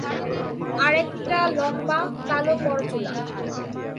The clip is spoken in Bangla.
আর একটা লম্বা, কালো-পরচুলা।